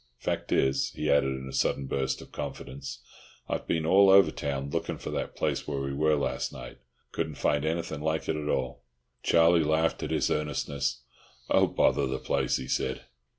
"Fact is," he added in a sudden burst of confidence, "I've been all over town lookin' for that place where we were last night. Couldn't find anything like it at all." Charlie laughed at his earnestness. "Oh, bother the place," he said.